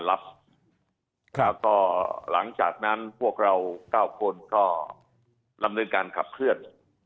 แล้วก็หลังจากนั้นพวกเรา๙คนก็ดำเนินการขับเคลื่อน